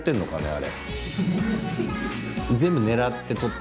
あれ。